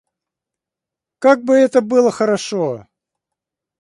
Как бы это было хорошо!